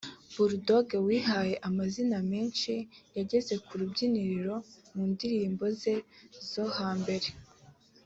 Bull Dog wihaye amazina menshi yageze ku rubyiniro mu ndirimbo ze zo hambere